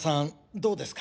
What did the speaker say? どうですか？